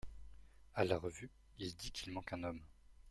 A la revue, il dit qu'il manque un homme.